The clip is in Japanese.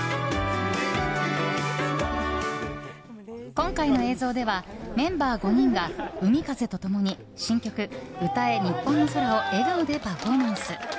今回の映像ではメンバー５人が海風と共に新曲「歌えニッポンの空」を笑顔でパフォーマンス。